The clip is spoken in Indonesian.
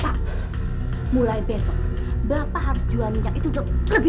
pak mulai besok bapak harus jual minyak itu lebih gesit lagi